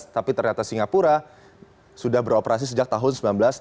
tapi ternyata singapura sudah beroperasi sejak tahun seribu sembilan ratus tujuh puluh